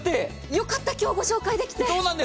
よかった、今日、ご紹介できて。